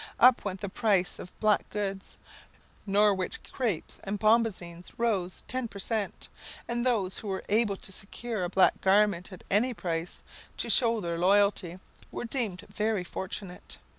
Up went the price of black goods; Norwich crapes and bombazines rose ten per cent, and those who were able to secure a black garment at any price, to shew their loyalty, were deemed very fortunate.